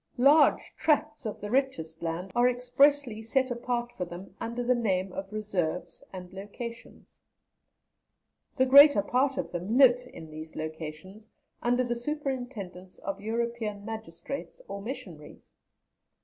Large tracts of the richest land are expressly set apart for them under the name of 'reserves' and 'locations.' The greater part of them live in these locations, under the superintendence of European magistrates or missionaries.